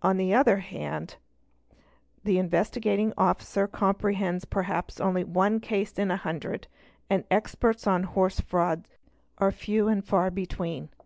On the other hand the Investigating Officer comprehends perhaps only one case in a hundred and experts on horse frauds are few and far between.